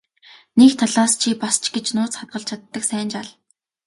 Нэг талаас чи бас ч гэж нууц хадгалж чаддаг сайн жаал.